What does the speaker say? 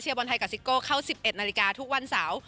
บอลไทยกับซิโก้เข้า๑๑นาฬิกาทุกวันเสาร์